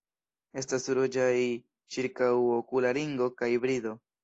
Estas ruĝaj ĉirkaŭokula ringo kaj brido.